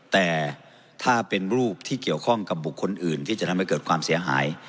แต่ถ้าเป็นรูปที่เกี่ยวข้องกับบุคคลอื่นที่จะทำให้เกิดความเสียหาย